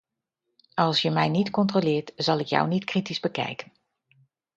Als je mij niet controleert, zal ik jou niet kritisch bekijken.